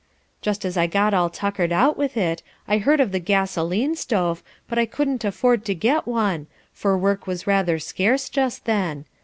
Just as I got all tuckered out with it, I heard of the gasoline stove, but I couldn't afford to get one, for work was rather scarce just then.